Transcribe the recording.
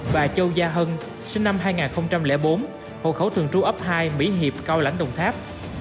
và châu gia hân sinh năm hai nghìn bốn hộ khẩu thường trú ấp hai mỹ hiệp cao lãnh đồng tháp